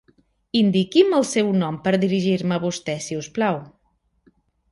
Indiqui'm el seu nom per dirigir-me a vostè si us plau.